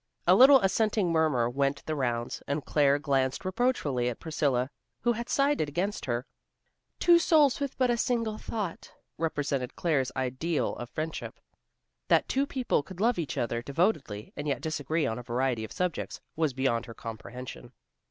A little assenting murmur went the rounds, and Claire glanced reproachfully at Priscilla, who had sided against her. "Two souls with but a single thought," represented Claire's ideal of friendship. That two people could love each other devotedly, and yet disagree on a variety of subjects, was beyond her comprehension.